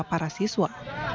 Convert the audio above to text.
tua para siswa